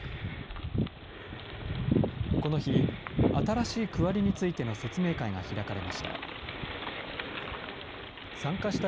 この日、新しい区割りについての説明会が開かれました。